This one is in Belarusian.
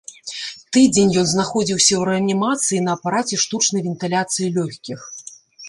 Тыдзень ён знаходзіўся ў рэанімацыі на апараце штучнай вентыляцыі лёгкіх.